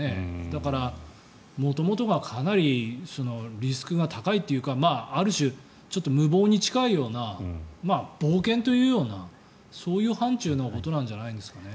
だから、元々がかなりリスクが高いというかある種ちょっと無謀に近いような冒険というようなそういう範ちゅうのことなんじゃないんですかね。